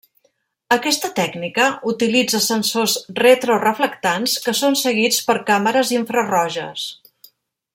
Aquesta tècnica utilitza sensors retro reflectants que són seguits per càmeres infraroges.